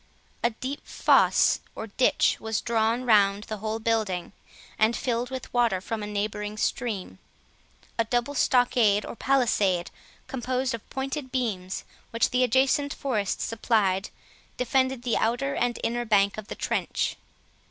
A deep fosse, or ditch, was drawn round the whole building, and filled with water from a neighbouring stream. A double stockade, or palisade, composed of pointed beams, which the adjacent forest supplied, defended the outer and inner bank of the trench.